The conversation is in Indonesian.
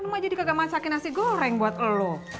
kan emak jadi kagak masak nasi goreng buat kamu